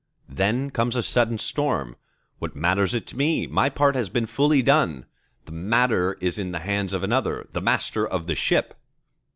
Then comes a sudden storm. What matters it to me? my part has been fully done. The matter is in the hands of another—the Master of the ship.